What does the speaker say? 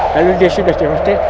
kalau dia sudah tewas